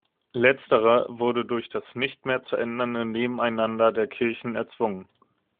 Letzterer wurde durch das nicht mehr zu ändernde Nebeneinander der Kirchen erzwungen.